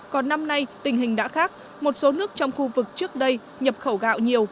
còn năm nay tình hình đã khác một số nước trong khu vực trước đây nhập khẩu gạo nhiều